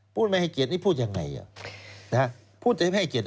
ไม่ให้เกียรตินี่พูดยังไงพูดจะไม่ให้เกียรติ